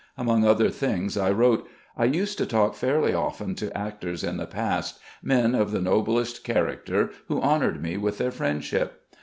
Among other things I wrote: "I used to talk fairly often to actors in the past, men of the noblest character, who honoured me with their friendship.